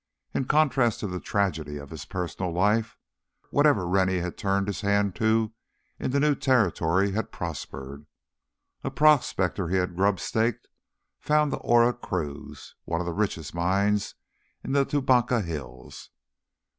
In contrast to the tragedy of his personal life, whatever Rennie had turned his hand to in the new territory had prospered. A prospector he had grub staked, found the Oro Cruz, one of the richest mines in the Tubacca hills.